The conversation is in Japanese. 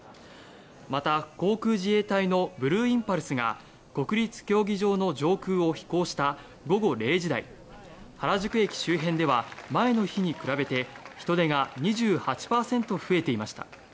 また、航空自衛隊のブルーインパルスが国立競技場の上空を飛行した午後０時台原宿駅周辺では前の日に比べて人出が２８％増えていました。